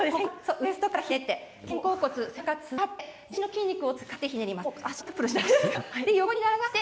ウエストからひねって肩甲骨と背中を使って全身の筋肉を使ってひねります。